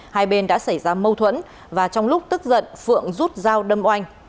hai bên đã xảy ra mâu thuẫn và trong lúc tức giận phượng rút dao đâm oanh